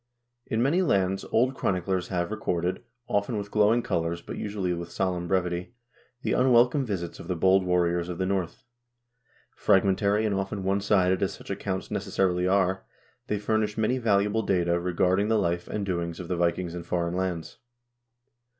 In many lands old chroni clers have recorded, often with glowing colors, but usually with solemn brevity, the unwelcome visits of the bold warriors of the North. Fragmentary and often one sided as such accounts necessarily are, they furnish many valuable data regarding the life and doings of the Vikings in foreign lands.